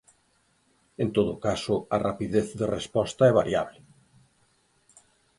En todo caso, a rapidez de resposta é variable.